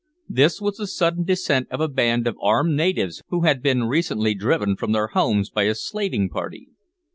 This was the sudden descent of a band of armed natives who had been recently driven from their homes by a slaving party.